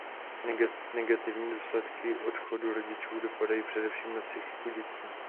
Negativní důsledky odchodu rodičů dopadají především na psychiku dětí.